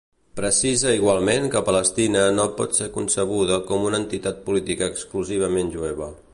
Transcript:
Precisa igualment que Palestina no pot ser concebuda com una entitat política exclusivament jueva.